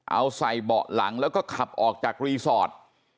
เอาใส่เบาะหลังแล้วก็ขับออกจากรีสอร์ท